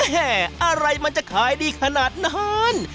อะไรมันจะขายดีขนาดนั้น